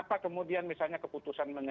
nah kenapa kemudian misalnya keputusan mengenai